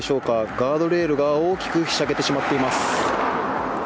ガードレールが大きくひしゃげてしまっています。